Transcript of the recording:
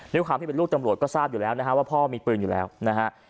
ด้วยความที่เป็นลูกตำรวจก็ทราบอยู่แล้วนะฮะว่าพ่อมีปืนอยู่แล้วนะฮะ